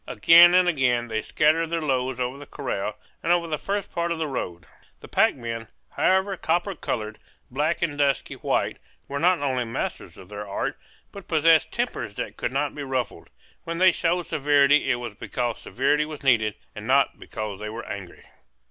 Again and again they scattered their loads over the corral and over the first part of the road. The pack men, however copper colored, black, and dusky white were not only masters of their art, but possessed tempers that could not be ruffled; when they showed severity it was because severity was needed, and not because they were angry.